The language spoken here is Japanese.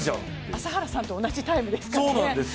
朝原さんと同じタイムですからね。